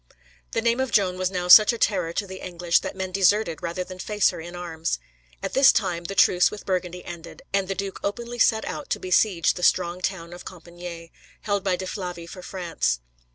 The name of Joan was now such a terror to the English that men deserted rather than face her in arms. At this time the truce with Burgundy ended, and the duke openly set out to besiege the strong town of Compičgne, held by De Flavy for France.